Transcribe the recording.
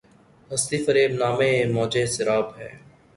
ہستی‘ فریب نامۂ موجِ سراب ہے